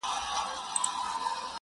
o اوس خو رڼاگاني كيسې نه كوي؛